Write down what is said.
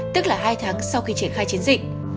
tức là hai tháng sau khi triển khai chiến dịch